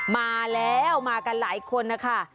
มาแล้วมากันหลายคนนะคะ